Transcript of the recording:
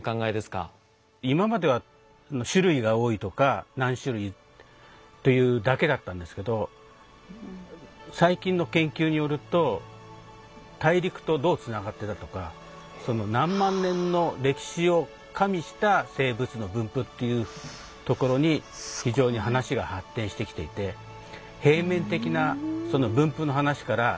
今までは種類が多いとか何種類というだけだったんですけど最近の研究によると大陸とどうつながってたとかその何万年の歴史を加味した生物の分布っていうところに非常に話が発展してきていてうん。